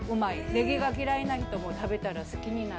ネギが嫌いな人も食べたら好きになる。